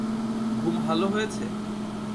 ঘুম ভালো হয়েছে?